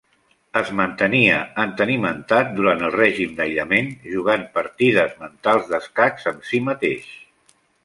Es mantenia entenimentat durant el règim d'aïllament jugant partides mentals d'escacs amb si mateix.